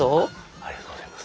ありがとうございます。